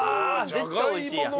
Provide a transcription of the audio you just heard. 絶対美味しいやん。